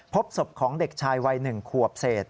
พบศพของเด็กชายวัย๑ขวบเศษ